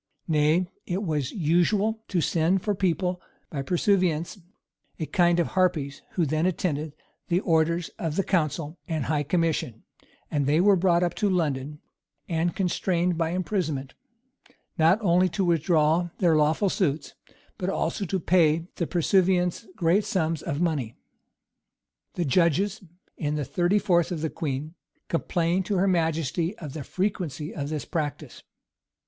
Nay, it was usual to send for people by pursuivants, a kind of harpies who then attended the orders of the council and high commission; and they were brought up to London, and constrained by imprisonment, not only to withdraw their lawful suits, but also to pay the pursuivants great sums of money. The judges, in the thirty fourth of the queen, complain to her majesty of the frequency of this practice.